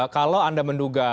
kalau anda menduga